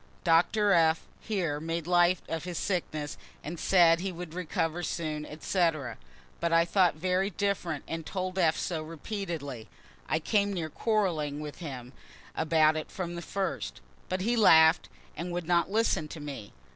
Doctor F. here made light of his sickness said he would recover soon, etc.; but I thought very different, and told F. so repeatedly; (I came near quarreling with him about it from the first) but he laugh'd, and would not listen to me.